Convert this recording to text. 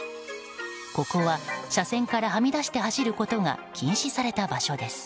ここは車線からはみ出して走ることが禁止された場所です。